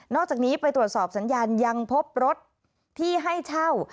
อกจากนี้ไปตรวจสอบสัญญาณยังพบรถที่ให้เช่า